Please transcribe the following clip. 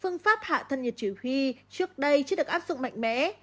phương pháp hạ thân nhiệt chỉ huy trước đây chưa được áp dụng mạnh mẽ